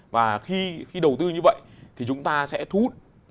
và khi đầu tư như vậy thì chúng ta sẽ thu hút